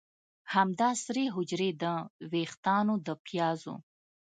همدا سرې حجرې د ویښتانو د پیازو